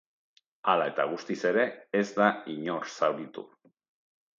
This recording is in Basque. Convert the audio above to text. Hala eta guztiz ere, ez da inor zauritu.